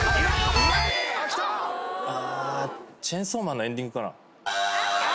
『チェンソーマン』のエンディングかな？